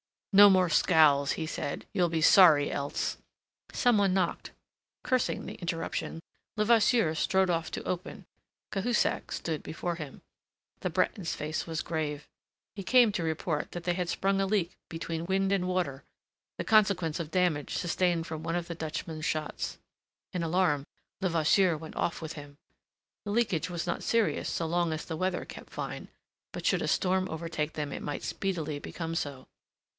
"No more scowls," he said. "You'll be sorry else." Some one knocked. Cursing the interruption, Levasseur strode off to open. Cahusac stood before him. The Breton's face was grave. He came to report that they had sprung a leak between wind and water, the consequence of damage sustained from one of the Dutchman's shots. In alarm Levasseur went off with him. The leakage was not serious so long as the weather kept fine; but should a storm overtake them it might speedily become so.